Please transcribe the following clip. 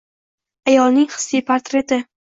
ayolning hissiy portreti